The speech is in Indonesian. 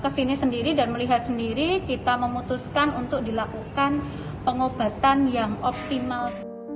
kesini sendiri dan melihat sendiri kita memutuskan untuk dilakukan pengobatan yang optimal